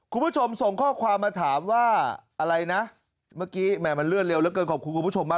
คุณผู้ชมส่งข้อความมาถามว่าอะไรนะเมื่อกี้แหม่มันเลื่อนเร็วเหลือเกินขอบคุณคุณผู้ชมมาก